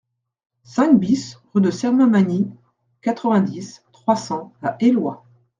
cinq BIS rue de Sermamagny, quatre-vingt-dix, trois cents à Éloie